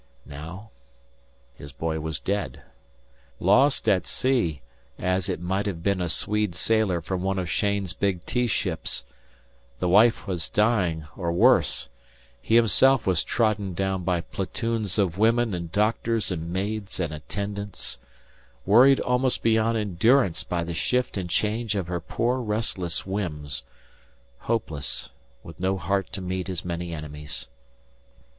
Now his boy was dead lost at sea, as it might have been a Swede sailor from one of Cheyne's big teaships; the wife dying, or worse; he himself was trodden down by platoons of women and doctors and maids and attendants; worried almost beyond endurance by the shift and change of her poor restless whims; hopeless, with no heart to meet his many enemies.